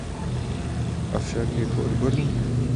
Avšak jaký odborník?